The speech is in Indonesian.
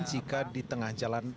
jika di tengah jalan